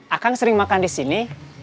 akang sering makan disini